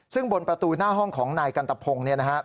ซึ่งบนประตูหน้าห้องของนายกันตะพงนี่นะครับ